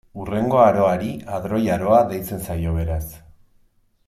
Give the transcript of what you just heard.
Hurrengo aroari hadroi-aroa deitzen zaio, beraz.